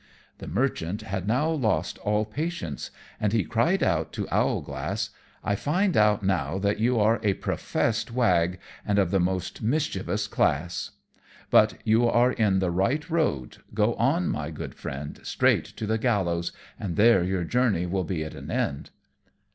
The Merchant had now lost all patience, and he cried out to Owlglass, "I find out now that you are a professed wag, and of the most mischievous class; but you are in the right road, go on, my good Friend, straight to the gallows, and there your journey will be at an end."